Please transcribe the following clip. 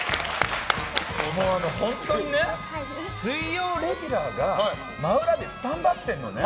本当にさ、水曜レギュラーが真裏でスタンバってるのね。